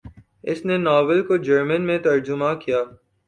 اس نے ناول کو جرمن میں ترجمہ کیا۔